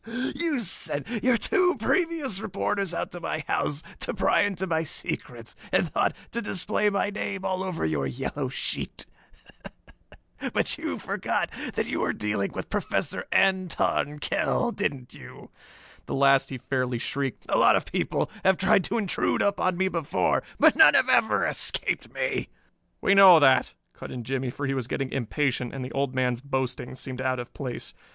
Hee hee! You sent your two precious reporters out to my house to pry into my secrets, and thought to display my name all over your yellow sheet; but you forgot that you were dealing with Professor Anton Kell, didn't you?" The last he fairly shrieked. "A lot of people have tried to intrude upon me before, but none ever escaped me!" "We know that," cut in Jimmie, for he was getting impatient and the old man's boastings seemed out of place.